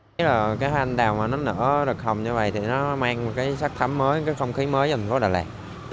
hoa anh đào nở được hồng như vậy thì nó mang sắc thấm mới không khí mới cho thành phố đà lạt